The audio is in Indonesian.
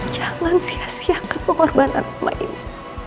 jangan sia siakan pengorbanan rumah ini